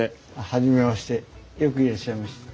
初めましてよくいらっしゃいました。